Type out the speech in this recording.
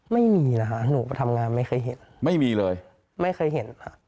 ไม่มีนะคะหนูไปทำงานไม่เคยเห็นไม่มีเลยไม่เคยเห็นค่ะ